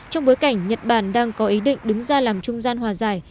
trong bối cảnh nhật bản đang có ý định đứng ra làm trung gian hòa giải